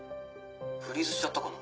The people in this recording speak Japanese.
フリーズしちゃったかな？